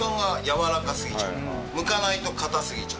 剥かないと硬すぎちゃう。